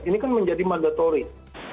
ini kan menjadi mandatorik